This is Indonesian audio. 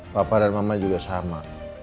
papa dan mama juga sama